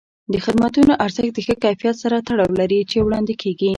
د خدمتونو ارزښت د هغه کیفیت سره تړاو لري چې وړاندې کېږي.